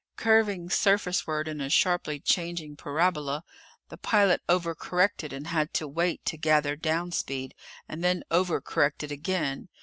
Curving surface ward in a sharply changing parabola, the pilot over corrected and had to wait to gather down speed, and then over corrected again.